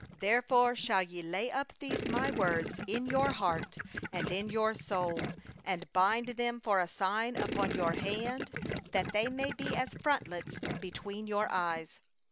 18Therefore shall ye lay up these My words in your heart and in your soul; and ye shall bind them for a sign upon your hand, and they shall be for frontlets between your eyes.